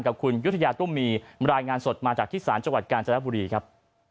กับคุณยุธยาตุ้มมีรายงานสดมาจากที่ศาลจังหวัดกาญจนบุรีครับ